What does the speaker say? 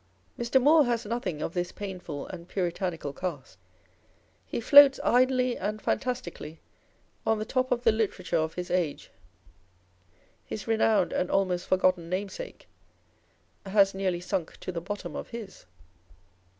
Mr. Moore has nothing of this painful and puritanical cast. He floats idly and fantastically on the top of the literature of his age ; his renowned and almost forgotten namesake has nearly sunk to the bottom of his.